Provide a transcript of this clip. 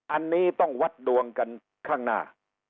อันนี้ต้องวัดดวงกันข้างหน้า